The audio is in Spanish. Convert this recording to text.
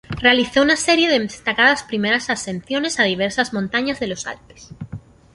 Realizó una serie de destacadas primeras ascensiones a diversas montañas de los Alpes.